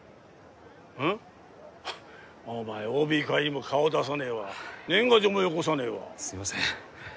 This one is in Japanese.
うん？お前ＯＢ会にも顔出さねえわ年賀状もよこさねえわすいません